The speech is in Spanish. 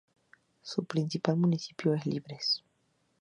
Su principal municipio es Libres.